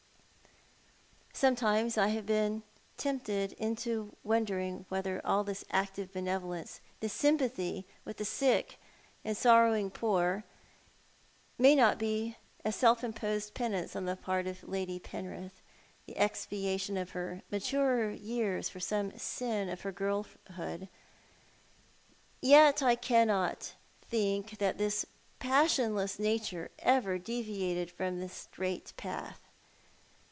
Sometimes I have been tempted into wondering whether all this active benevolence, this sympathy with the sick and sorrow ing poor, mny not be a self imposed penance on the part of Laiiy Penrith; the expiation of her maturer years for some sin of her girlhood. Yet, I cannot think that this passionless nature ever deviated from the straight path.